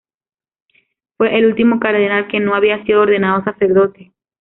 Fue el último cardenal que no había sido ordenado sacerdote.